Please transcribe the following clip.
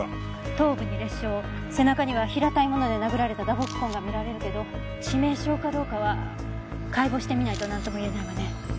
頭部に裂傷背中には平たいもので殴られた打撲痕が見られるけど致命傷かどうかは解剖してみないとなんとも言えないわね。